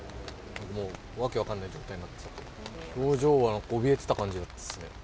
もう、訳分かんない状態になってて、表情はおびえてた感じですね。